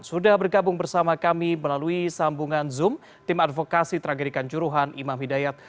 sudah bergabung bersama kami melalui sambungan zoom tim advokasi tragedikan juruhan imam hidayat